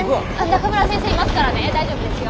中村先生いますからね大丈夫ですよ。